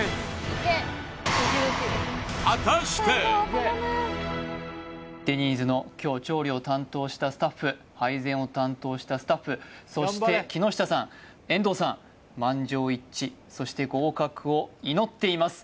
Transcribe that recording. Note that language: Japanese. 見事デニーズの今日調理を担当したスタッフ配膳を担当したスタッフそして木下さん遠藤さん満場一致そして合格を祈っています